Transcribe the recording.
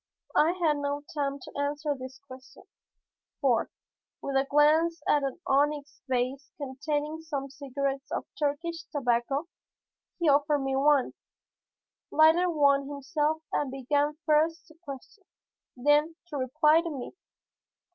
I had no time to answer this question, for, with a glance at an onyx vase containing some cigarettes of Turkish tobacco, he offered me one, lighted one himself and began first to question, then to reply to me.